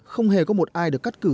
không hề có một ai được cắt cử